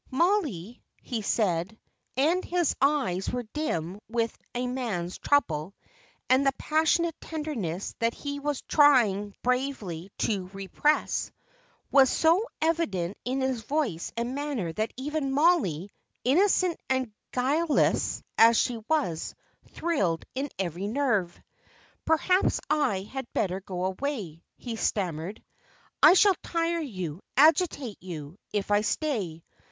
"Mollie," he said, and his eyes were dim with a man's trouble, and the passionate tenderness, that he was trying bravely to repress, was so evident in his voice and manner that even Mollie, innocent and guileless as she was, thrilled in every nerve. "Perhaps I had better go away," he stammered. "I shall tire you, agitate you, if I stay.